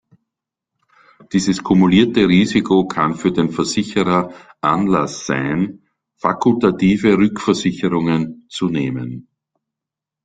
Dieses kumulierte Risiko kann für den Versicherer Anlass sein, fakultative Rückversicherung zu nehmen.